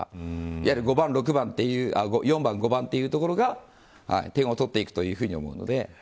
いわゆる４番、５番というところが点を取っていくというふうに思うので。